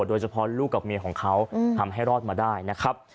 ลูกกับเมียของเขาทำให้รอดมาได้นะครับ